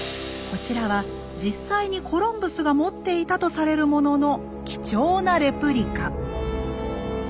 こちらは実際にコロンブスが持っていたとされるものの貴重なレプリカ。